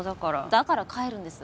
だから帰るんです。